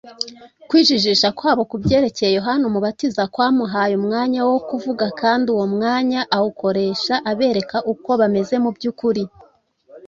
kwijijisha kwabo ku byerekeye yohana umubatiza, kwamuhaye umwanya wo kuvuga, kandi uwo mwanya awukoresha abereka uko bameze mu by’ukuri,